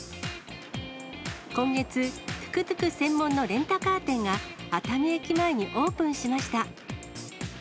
今月、トゥクトゥク専門のレンタカー店が、熱海駅前にオープンしました。